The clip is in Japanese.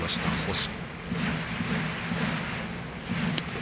星。